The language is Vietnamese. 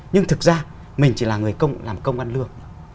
nhưng thực ra mình chỉ là người làm công ăn lương